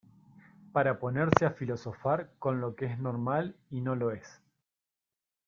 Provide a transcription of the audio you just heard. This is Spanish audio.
para ponerse a filosofar con lo que es normal y no lo es.